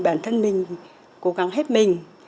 bản thân mình cố gắng hết mình